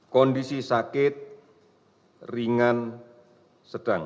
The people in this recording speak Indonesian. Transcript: kondisi sakit ringan sedang